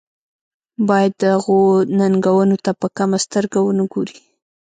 باید دغو ننګونو ته په کمه سترګه ونه ګوري.